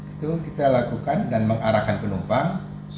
itu kita lakukan dan mengarahkan penumpang